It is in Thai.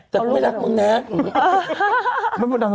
แต่ไม่รักน้องเนค